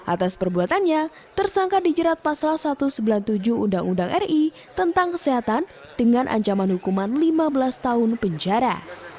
atas perbuatannya tersangka dijerat pasal satu ratus sembilan puluh tujuh undang undang ri tentang kesehatan dengan ancaman hukuman lima belas tahun penjara